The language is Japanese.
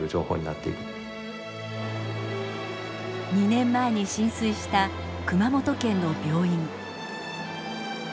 ２年前に浸水した熊本県の病院。